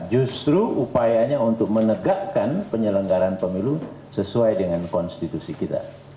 justru upayanya untuk menegakkan penyelenggaran pemilu sesuai dengan konstitusi kita